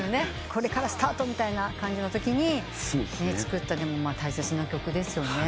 これからスタートみたいな感じのときに作った大切な曲ですよね。